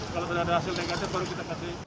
kalau sudah ada hasil negatif baru kita kasih